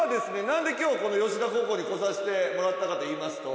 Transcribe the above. なんで今日この吉田高校に来さしてもらったかと言いますと。